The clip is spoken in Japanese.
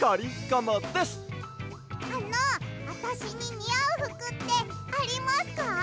あのあたしににあうふくってありますか？